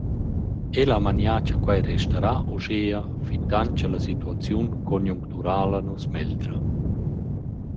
El ha manià cha quai restarà uschea fintant cha la situaziun conjuncturala nu’s megldra.